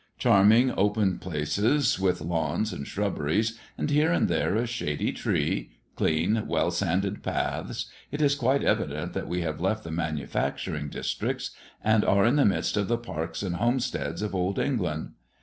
Charming open places, with lawns and shrubberies, and here and there a shady tree clean, well sanded paths it is quite evident that we have left the manufacturing districts, and are in the midst of the parks and homesteads of Old England.